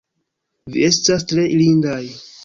Vi estas tre lindaj!